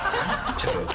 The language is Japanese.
ちょっと。